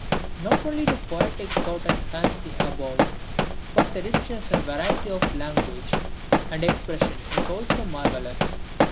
Not only do poetic thought and fancy abound, but the richness and variety of language and expression is also marvellous.